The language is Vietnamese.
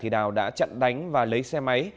đào đã chặn đánh và lấy xe máy